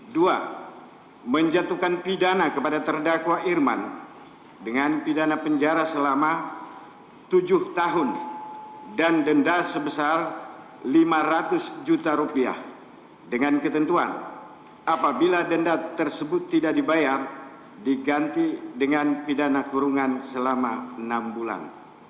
tiga menjatuhkan pidana kepada terdakwa irman dengan pidana penjara selama tujuh tahun dan denda sebesar lima ratus juta rupiah dengan ketentuan apabila denda tersebut tidak dibayar diganti dengan pidana kurungan selama enam bulan